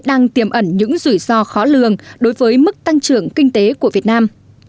đang tiềm ẩn những rủi ro khó lường đối với mức tăng trưởng kinh tế của việt nam